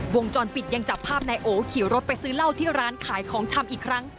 วงจรปิดยังจับภาพนายโอขี่รถไปซื้อเหล้าที่ร้านขายของชำอีกครั้ง